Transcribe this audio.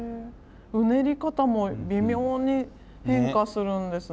うねり方も微妙に変化するんですね。